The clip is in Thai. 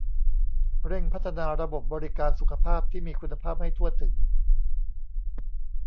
เร่งพัฒนาระบบบริการสุขภาพที่มีคุณภาพให้ทั่วถึง